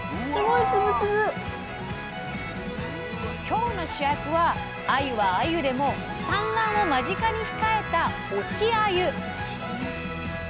今日の主役はあゆはあゆでも産卵を間近に控えた「落ちあゆ」。